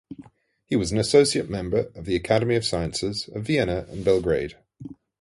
He was an associate member of the Academy of Sciences of Vienna and Belgrade.